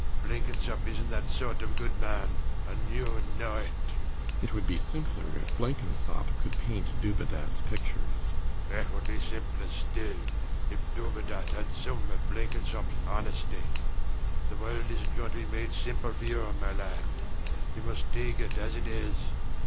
Blenkinsop isnt that sort of good man; and you know it. RIDGEON. It would be simpler if Blenkinsop could paint Dubedat's pictures. SIR PATRICK. It would be simpler still if Dubedat had some of Blenkinsop's honesty. The world isnt going to be made simple for you, my lad: you must take it as it is.